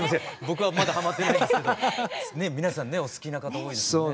僕はまだハマってないんですけど皆さんねお好きな方多いですよね。